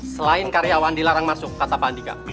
selain karyawan dilarang masuk kata pak andika